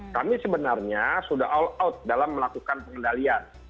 kami sebenarnya sudah all out dalam melakukan pengendalian